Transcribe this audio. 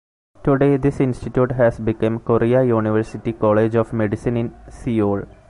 Today, this institute has become Korea University College of Medicine in Seoul.